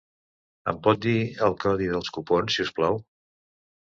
Em pot dir el codi dels cupons, si us plau?